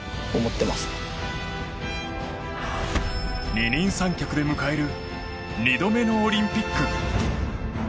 二人三脚で迎える２度目のオリンピック。